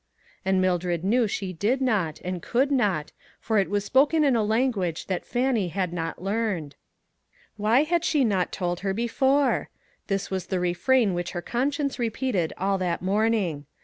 ' And Mildred knew she did not and could not, for it was spoken in a language that Fannie had not learned. Why had she not 2$2 ONE COMMONPLACE DAY. told her before? This was the refrain which her conscience repeated ajl that morning.